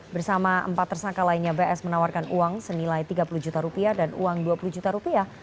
bersama empat tersangka lainnya bs menawarkan uang senilai tiga puluh juta rupiah dan uang dua puluh juta rupiah